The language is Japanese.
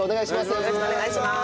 よろしくお願いします。